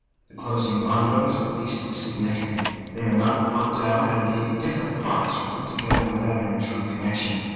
The closing rondos are least significant; they are not worked out, and the different parts are put together without any true connection.